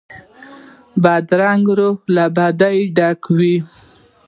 بدرنګه روح له بدیو ډک وي